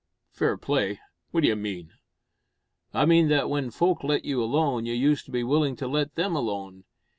"Fair play! What d'ye mean?" "I mean that when folk let you alone, you used to be willin' to let them alone.